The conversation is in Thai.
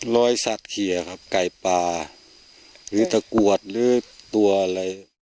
รอยสักเขียครับไก่ปลาหรือตะกรวดหรือตัวอะไร